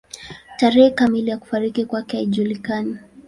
Tarehe kamili ya kufariki kwake haijulikani.